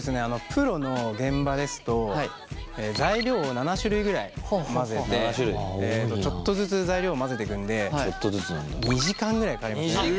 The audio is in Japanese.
プロの現場ですと材料を７種類ぐらい混ぜてちょっとずつ材料を混ぜてくんで２時間ぐらいかかりますね